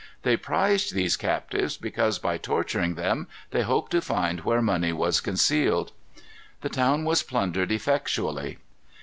They prized these captives because, by torturing them, they hoped to find where money was concealed. The town was plundered effectually.